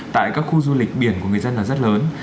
tại các khu du lịch biển của người dân là rất lớn